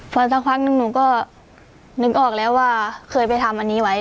พอสักพักหนึ่งหนูก็นึกออกแล้วว่าเคยไปทำอันนี้ไว้